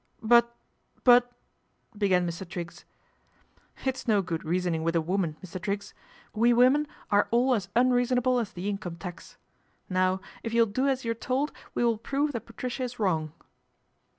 " But but " began Mr. Triggs. " It's no good reasoning with a woman, Mr. Triggs, we women are all as unreasonable as the Income Tax. Now if you'll do as you are told we will prove that Patricia is wrong."